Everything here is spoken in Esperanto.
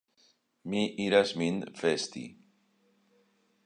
Mi iras min vesti!